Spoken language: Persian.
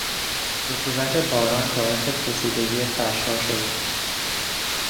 رطوبت باران باعث پوسیدگی فرشها شد.